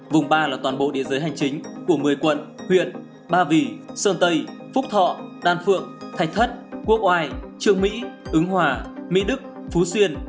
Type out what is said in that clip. vùng ba là toàn bộ địa giới hành chính của một mươi quận huyện ba vì sơn tây phúc thọ đan phượng thạch thất quốc oai trương mỹ ứng hòa mỹ đức phú xuyên